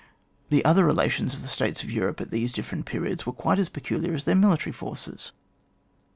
Ther other relations of the States of Europe at these different periods were quite as peculiar as their military forces.